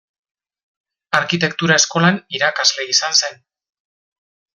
Arkitektura Eskolan irakasle izan zen.